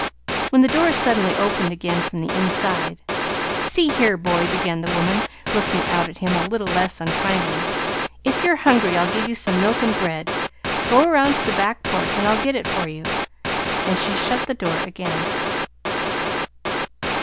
when the door suddenly opened again from the inside. "See here, boy," began the woman, looking out at him a little less unkindly, "if you're hungry I'll give you some milk and bread. Go around to the back porch and I'll get it for you." And she shut the door again.